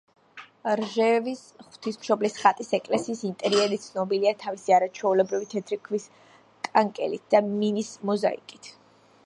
რჟევის ღვთისმშობლის ხატის ეკლესიის ინტერიერი ცნობილია თავისი არაჩვეულებრივი თეთრი ქვის კანკელით და მინის მოზაიკით.